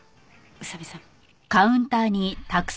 宇佐見さん。